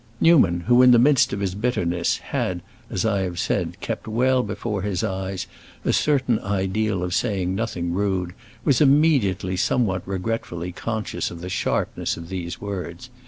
Newman, who in the midst of his bitterness had, as I have said, kept well before his eyes a certain ideal of saying nothing rude, was immediately somewhat regretfully conscious of the sharpness of these words.